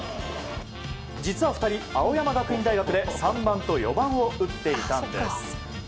実は２人、青山学院大学で３番と４番を打っていたんです。